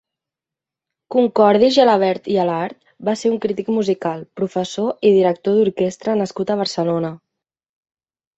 Concordi Gelabert i Alart va ser un crític musical, professor i director d'orquestra nascut a Barcelona.